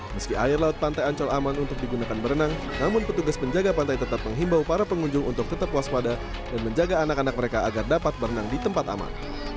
meski air laut pantai ancol aman untuk digunakan berenang namun petugas penjaga pantai tetap menghimbau para pengunjung untuk tetap waspada dan menjaga anak anak mereka agar dapat berenang di tempat aman